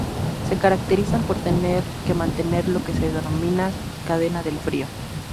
Se caracterizan por tener que mantener lo que se denomina cadena del frío.